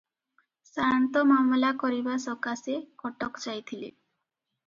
ସାଆନ୍ତ ମାମଲା କରିବା ସକାଶେ କଟକ ଯାଇଥିଲେ ।